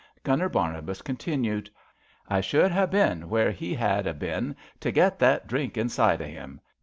Gunner Barnabas continued: I should ha' seen where he had a bin to get that drink inside o' 'im.